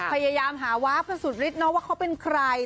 พยายามหาวาฟกันสูดฤทธิ์นอกว่าเขาเป็นใคร